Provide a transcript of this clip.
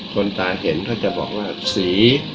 คนตาเห็นก็จะบอกว่าสี